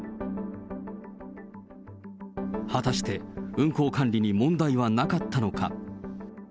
果たして運航管理に問題はなかったのか。